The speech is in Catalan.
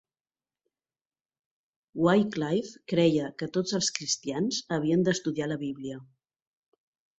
Wycliffe creia que tots els cristians havien d'estudiar la Bíblia.